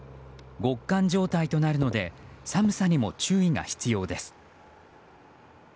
極寒状態となるので寒さにも注意が必要です。